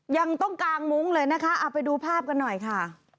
ยังต้องกางมุ้งเลยนะคะเอาไปดูภาพกันหน่อยค่ะ